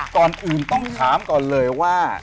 ก่อนอื่นต้องถามก่อนเลยว่า